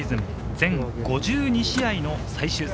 全５２試合の最終戦。